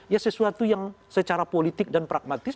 ya sesuatu yang secara politik dan pragmatis